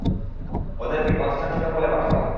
ওদেরকে কনস্টানটিনোপেল-এ পাঠাও।